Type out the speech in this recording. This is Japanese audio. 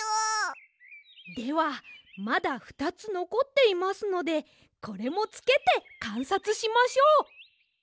ではまだふたつのこっていますのでこれもつけてかんさつしましょう！